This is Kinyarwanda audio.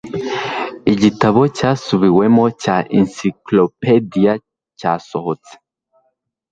Igitabo cyasubiwemo cya encyclopedia cyasohotse.